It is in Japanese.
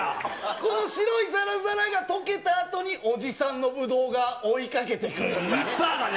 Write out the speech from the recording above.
この白いざらざらが溶けたあとにおじさんのブドウが追いかけてくるんだね。